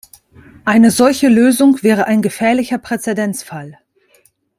Eine solche Lösung wäre ein gefährlicher Präzedenzfall.